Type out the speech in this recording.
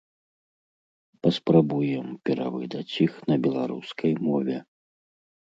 Паспрабуем перавыдаць іх на беларускай мове.